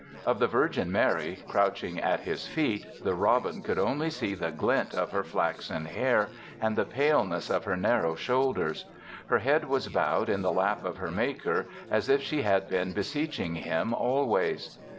Of the Virgin Mary, crouching at His feet, the robin could only see the glint of her flaxen hair and the paleness of her narrow shoulders. Her head was bowed in the lap of her Maker as if she had been beseeching Him always.